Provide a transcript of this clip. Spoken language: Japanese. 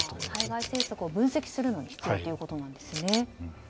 対外政策を分析するのに必要ということなんですね。